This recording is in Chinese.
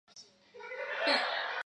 葵阳关遗址的历史年代为明代。